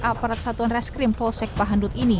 aparat satuan reskrim polsek pahandut ini